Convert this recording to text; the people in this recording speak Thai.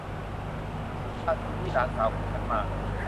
ฉันพาจูดี้ หลานสาวของฉันมา